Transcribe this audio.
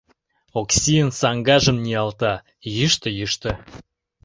Оксийын саҥгажым ниялта — йӱштӧ-йӱштӧ...